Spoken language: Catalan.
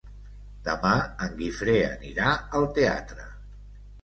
Demà en Guifré anirà al teatre.